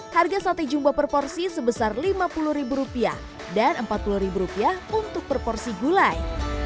harga sate jumbo per porsi sebesar lima puluh ribu rupiah dan empat puluh ribu rupiah untuk per porsi gulai